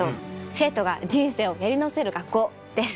『生徒が人生をやり直せる学校』です。